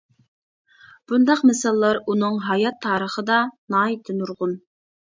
بۇنداق مىساللار ئۇنىڭ ھايات تارىخىدا ناھايىتى نۇرغۇن.